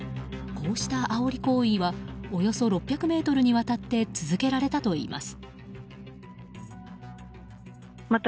こうしたあおり行為はおよそ６００ｍにわたって続けられたといいます。